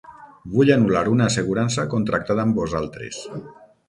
Vull anul·lar una assegurança contractada amb vosaltres.